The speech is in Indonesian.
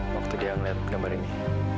waktu dia ngeliat gambar ini